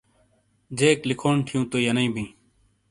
جیک لکھونڈ تھیوں تو ینیئ بیں۔